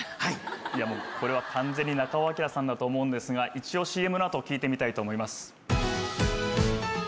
いやもうこれは完全に中尾彬さんだと思うんですが一応ＣＭの後聞いてみたいと思います。